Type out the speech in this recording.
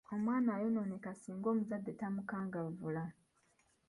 Omwana ayonooneka sings omuzadde tamukangavvula.